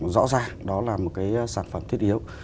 rõ ràng đó là một cái sản phẩm thiết yếu